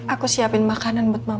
aku siapin makanan buat mama